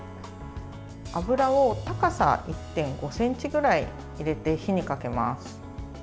油を高さ１．５ｃｍぐらい入れて火にかけます。